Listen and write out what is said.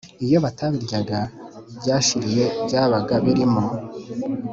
Iyo batabiryaga byashiriye byabaga birimo